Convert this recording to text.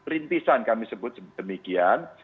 rintisan kami sebut demikian